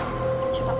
tunggu tunggu tunggu